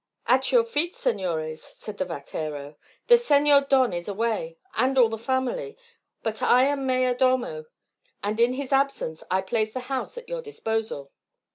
"At your feet, senores," said the vaquero. "The Senor Don is away, and all the family; but I am mayor domo, and in his absence I place the house at your disposal."